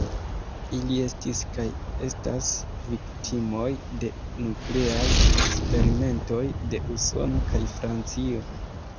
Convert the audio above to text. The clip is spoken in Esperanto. Ili estis kaj estas viktimoj de nukleaj eksperimentoj de Usono kaj Francio.